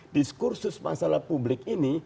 diskursus masalah publik ini